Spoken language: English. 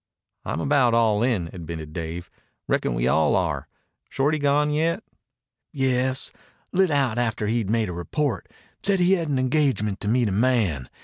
"I'm about all in," admitted Dave. "Reckon we all are. Shorty gone yet?" "Yes. Lit out after he'd made a report. Said he had an engagement to meet a man.